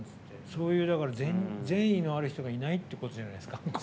そういう善意のある人がいないということじゃないですか。